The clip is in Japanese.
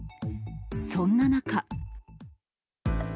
そんな中。